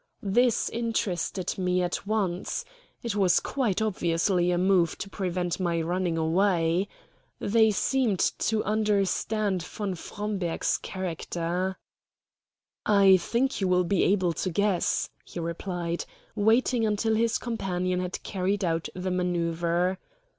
This interested me at once. It was quite obviously a move to prevent my running away. They seemed to understand von Fromberg's character. "I think you will be able to guess," he replied, waiting until his companion had carried out the manoeuvre.